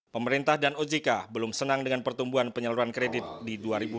pemerintah dan ojk belum senang dengan pertumbuhan penyeluruhan kredit di dua ribu delapan belas